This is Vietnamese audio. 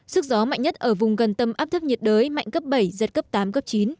sức gió mạnh nhất ở vùng gần tâm áp thấp nhiệt đới mạnh cấp bảy giật cấp tám cấp chín